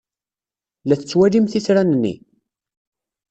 La tettwalimt itran-nni?